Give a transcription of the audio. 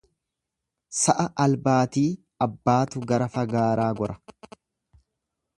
Sa'a albaatii abbaatu gara fagaaraa gora.